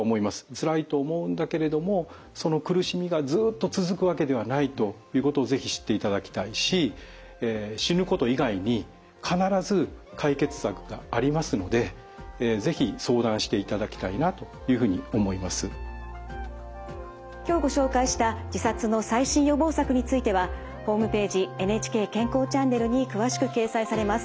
つらいと思うんだけれどもその苦しみがずっと続くわけではないということを是非知っていただきたいし今日ご紹介した自殺の最新予防策についてはホームページ「ＮＨＫ健康チャンネル」に詳しく掲載されます。